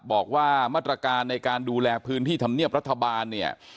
บอกว่ามาตรการในการดูแลพื้นที่ธรรมเนียบรัฐบาลเนี่ย